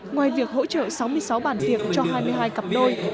ngoài việc hỗ trợ sáu mươi sáu bàn việc cho hai mươi hai cặp đôi